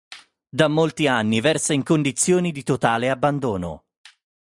Da molti anni versa in condizioni di totale abbandono.